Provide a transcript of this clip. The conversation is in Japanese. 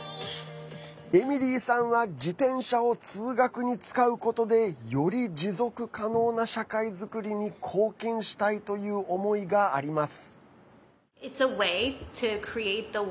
エミリーさんは自転車を通学に使うことでより持続可能な社会作りに貢献したいという思いがあります。